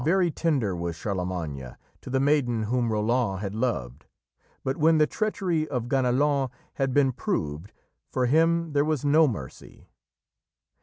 Very tender was Charlemagne to the maiden whom Roland had loved, but when the treachery of Ganelon had been proved, for him there was no mercy.